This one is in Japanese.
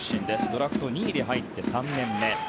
ドラフト２位で入って３年目。